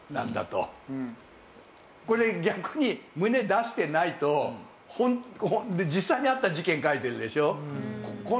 これ逆に胸出してないと実際にあった事件描いてるでしょ。